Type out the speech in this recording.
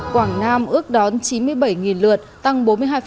quảng nam ước đón chín mươi bảy lượt tăng bốn mươi hai